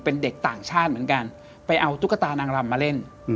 เป็นเด็กต่างชาติเหมือนกันไปเอาตุ๊กตานางรำมาเล่น